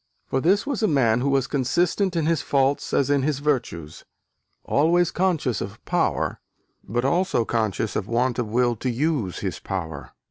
For this was a man who was consistent in his faults as in his virtues: "always conscious of power, but also conscious of want of will to use his power."